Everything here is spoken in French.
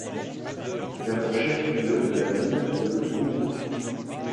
Il a pour chef-lieu la ville de Dongou.